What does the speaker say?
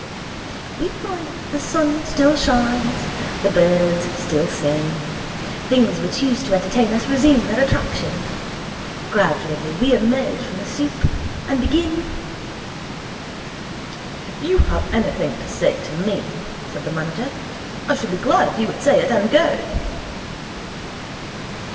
'We find that the sun still shines, the birds still sing. Things which used to entertain us resume their attraction. Gradually we emerge from the soup, and begin ' 'If you have anything to say to me,' said the manager, 'I should be glad if you would say it, and go.'